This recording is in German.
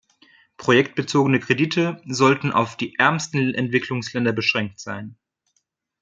Projektbezogene Kredite sollten auf die ärmsten Entwicklungsländer beschränkt sein.